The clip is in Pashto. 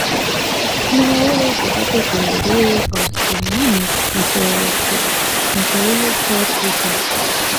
نومړې په غټو تیوریو او ستونزمنو مسايلو کار وکړ.